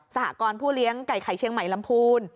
หกรณ์ผู้เลี้ยงไก่ไข่เชียงใหม่ลำพูน